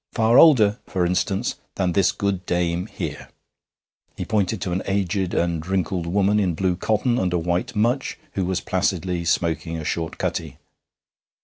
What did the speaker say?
Far older, for instance, than this good dame here.' He pointed to an aged and wrinkled woman, in blue cotton and a white mutch, who was placidly smoking a short cutty.